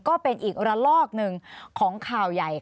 ก็เป็นอีกระลอกหนึ่งของข่าวใหญ่